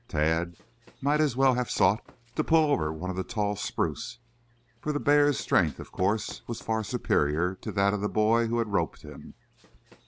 Tad might as well have sought to pull over one of the tall spruce, for the bear's strength, of course, was far superior to that of the boy who had roped him.